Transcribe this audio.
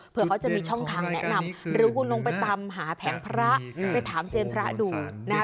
เพราะเขาจะมีช่องค้างแนะนำหรือก็ลงไปตามหาแผงพระไปถามเจ้นพระดูนะ